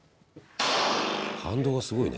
反動がすごいね。